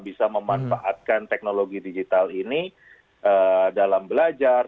bisa memanfaatkan teknologi digital ini dalam belajar